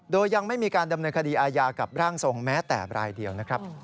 โดยยังไม่มีการดำเนินคดีอาญากับร่างทรงแม้แต่รายเดียวนะครับ